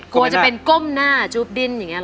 กลัวจะเป็นก้มหน้าจู๊บดิ้นอย่างนี้ห